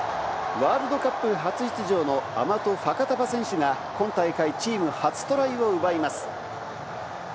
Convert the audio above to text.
ワールドカップ初出場のアマト・ファカタヴァ選手が今大会、チーム初トライを奪います。